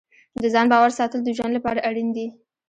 د ځان باور ساتل د ژوند لپاره اړین دي.